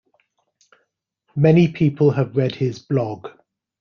Many people have read his blog.